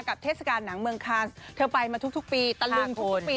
กับเทศกาลหนังเมืองคาร์สเธอไปมาทุกทุกปีตะลึงทุกทุกปี